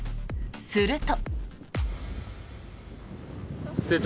すると。